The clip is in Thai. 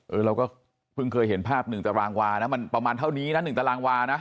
เราก็เพิ่งเคยเห็นภาพ๑ตารางวานะมันประมาณเท่านี้นะ๑ตารางวานะ